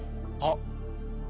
あっ！